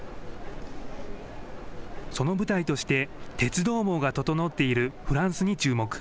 その舞台として、鉄道網が整っているフランスに注目。